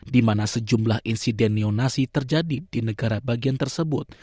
di mana sejumlah insiden neonasi terjadi di negara bagian tersebut